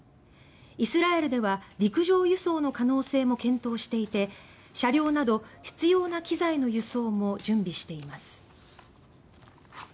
イスラエルでは陸上輸送の可能性も検討していて車両など必要な機材の輸送も準備しています。